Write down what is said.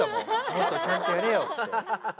もっとちゃんとやれよって。